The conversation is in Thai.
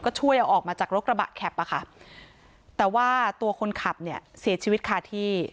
ก็ช่วยเอาออกมาจากรถกระบะแคปอ่ะค่ะแต่ว่าตัวคนขับเนี่ยเสียชีวิตคาที่